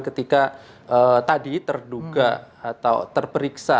ketika tadi terduga atau terperiksa